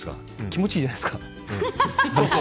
気持ちいいじゃないですか。